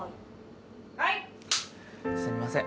・すいません。